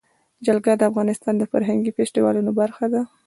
جلګه د افغانستان د فرهنګي فستیوالونو برخه ده.